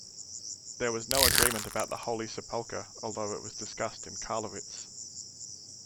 There was no agreement about the Holy Sepulchre, although it was discussed in Karlowitz.